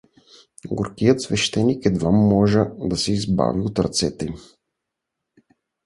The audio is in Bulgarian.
Горкият священик едвам можа да се избави от ръцете им.